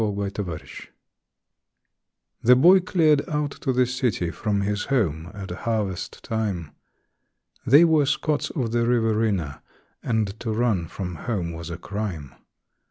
9 Autoplay The boy cleared out to the city from his home at harvest time They were Scots of the Riverina, and to run from home was a crime.